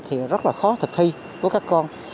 thì rất là khó thực thi với các con